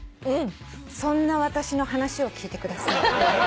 そんな私の話を聞いてください。